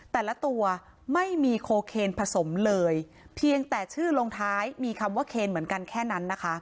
แต่ละตัวไม่มีโคเคนผสมเลยเพียงแต่ชื่อลงท้ายมีคำว่าเคนเหมือนกันแค่นั้นนะคะ